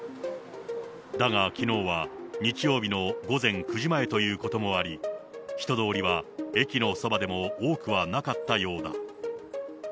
だがきのうは、日曜日の午前９時前ということもあり、人通りは駅のそばでも多くはなかったようだ。